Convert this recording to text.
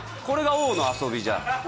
これが王の遊びじゃ。